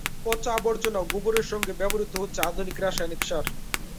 পচা আবর্জনা ও গোবরের সঙ্গে ব্যবহৃত হচ্ছে আধুনিক রাসায়নিক সার।